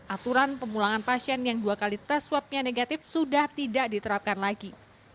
aturan pemulangan pasien yang dua kali tes swabnya negatif sudah tidak diterapkan lagi